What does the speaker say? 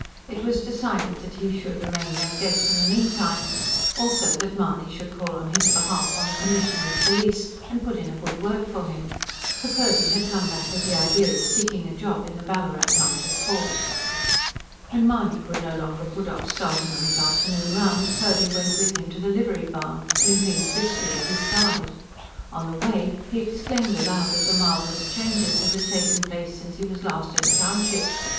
It was decided that he should remain their guest in the meantime; also that Mahony should call on his behalf on the Commissioner of Police, and put in a good word for him. For Purdy had come back with the idea of seeking a job in the Ballarat Mounted Force. When Mahony could no longer put off starting on his afternoon round, Purdy went with him to the livery barn, limping briskly at his side. On the way, he exclaimed aloud at the marvellous changes that had taken place since he was last in the township.